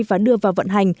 và đưa vào vận hành